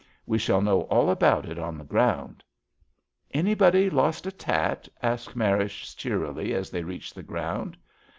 We shall know all about it on the ground." ^* Anybody lost a tat? "asked Marish cheerily as they reached the ground.